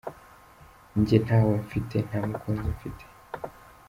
Njye ntawe mfite, nta mukunzi mfite?".